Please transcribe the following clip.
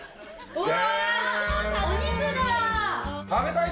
うわ！